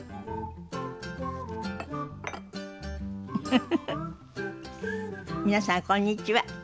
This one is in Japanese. フフフフ皆さんこんにちは。